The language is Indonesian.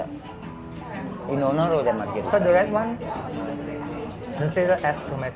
jadi pembunuh merah itu bisa dihormati tomat